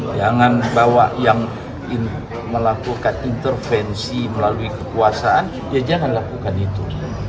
jangan bawa yang melakukan intervensi melalui kekuasaan ya jangan lakukan itu